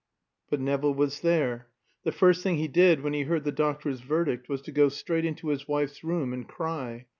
But Nevill was there. The first thing he did, when he heard the doctor's verdict, was to go straight into his wife's room and cry.